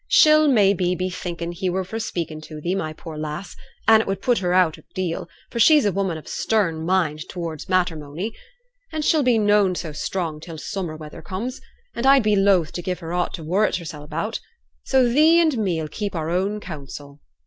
She'll, may be, be thinkin' he were for speakin' to thee, my poor lass; an' it would put her out a deal, for she's a woman of a stern mind towards matteremony. And she'll be noane so strong till summer weather comes, and I'd be loath to give her aught to worrit hersel' about. So thee and me 'll keep our own counsel.'